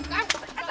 eh bukan tata